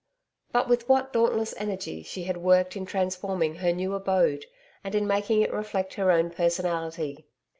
But with what dauntless energy she had worked in transforming her new abode and in making it reflect her own personality.